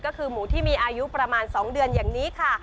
ก็คือหมูที่มีอายุประมาณ๒เดือนอย่างนี้ค่ะ